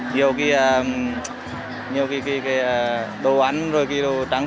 nhiều cái đồ ăn rồi cái đồ trắng